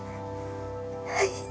はい。